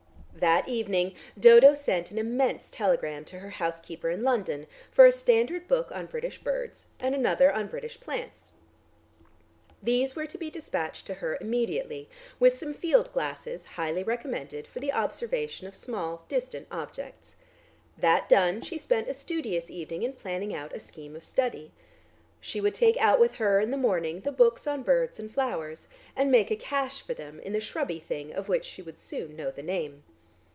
That evening Dodo sent an immense telegram to her housekeeper in London for a standard book on British birds and another on British plants. These were to be despatched to her immediately, with some field glass highly recommended for the observation of small distant objects. That done she spent a studious evening in planning out a scheme of study. She would take out with her in the morning the books on birds and flowers, and make a cache for them in the shrubby thing of which she would soon know the name.